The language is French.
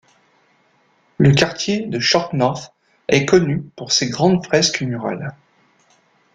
Le quartier de Short North est connu pour ses grandes fresques murales.